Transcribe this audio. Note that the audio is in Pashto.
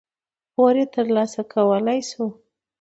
پور یې ترلاسه کولای شو.